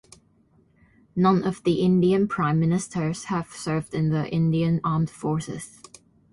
None of the Indian prime ministers have served in the Indian Armed Forces.